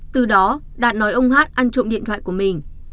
từ đó đạt nói ông hát ăn trộm điện thoại của mình